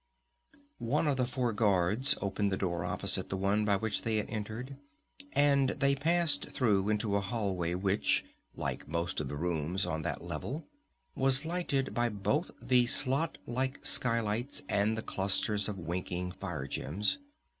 One of the four guards opened the door opposite the one by which they had entered, and they passed through into a hallway which, like most of the rooms on that level, was lighted by both the slot like skylights and the clusters of winking fire gems.